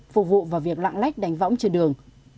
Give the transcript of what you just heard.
phục vụ vào việc lạng lách đánh võng trên đường